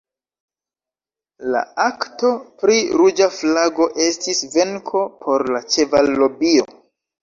La "Akto pri ruĝa flago" estis venko por la ĉeval-lobio.